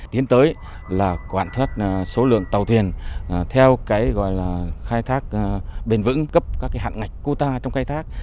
tiến tới là quản thất số lượng tàu thuyền theo khai thác bền vững cấp các hạn ngạch quota trong khai thác